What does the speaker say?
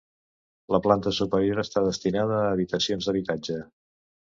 La planta superior està destinada a habitacions d'habitatge.